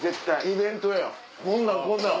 イベントやこんなんこんなん。